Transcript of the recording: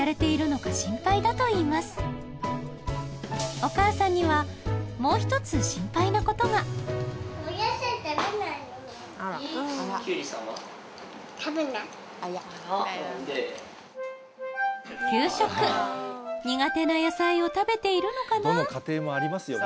お母さんにはもう１つ心配なことが給食苦手な野菜を食べているのかな？